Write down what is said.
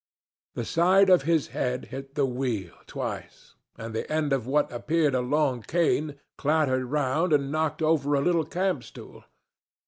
The side of his head hit the wheel twice, and the end of what appeared a long cane clattered round and knocked over a little camp stool.